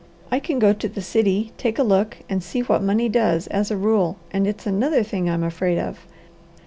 I can go to the city, take a look, and see what money does, as a rule, and it's another thing I'm afraid of.